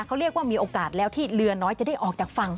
เขาเรียกว่ามีโอกาสแล้วที่เรือน้อยจะได้ออกจากฝั่ง